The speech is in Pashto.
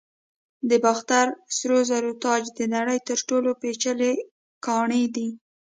د باختر سرو زرو تاج د نړۍ تر ټولو پیچلي ګاڼې دي